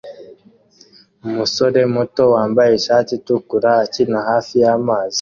Umusore muto wambaye ishati itukura akina hafi yamazi